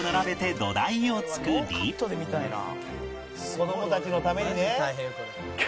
「子どもたちのためにね」